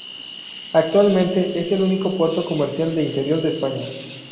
Actualmente es el único puerto comercial de interior de España.